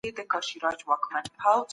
هر څه چي راپېښ ســوله